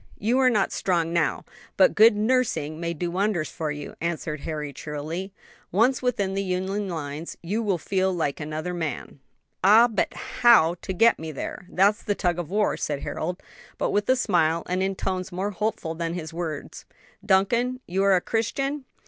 "You are not strong now, but good nursing may do wonders for you," answered Harry cheerily. "Once within the Union lines, and you will feel like another man." "Ah, but how to get me there? that's the tug of war," said Harold, but with a smile and in tones more hopeful than his words. "Duncan, you are a Christian?"